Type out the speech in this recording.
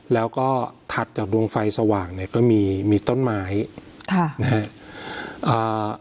แล้วก็ถัดจากดวงไฟสว่างเนี่ยก็มีมีต้นไม้ค่ะนะฮะอ่า